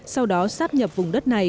sau đó sát nhập vùng đất này